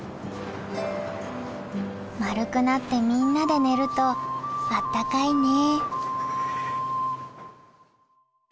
・丸くなってみんなで寝るとあったかいね。